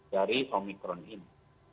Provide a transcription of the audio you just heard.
dari omikron ini